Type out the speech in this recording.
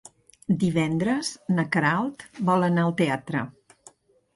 Divendres na Queralt vol anar al teatre.